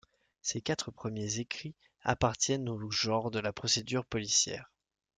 Ces quatre premiers écrits appartiennent au genre de la procédure policière.